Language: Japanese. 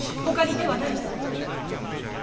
ほかに手はない。